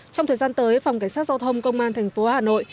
trong thời gian tới phòng cảnh sát giao thông công an thành phố hà nội